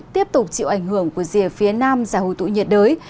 tiếp tục chịu ảnh hưởng của rìa phía nam giả hữu tụ nhiệt đới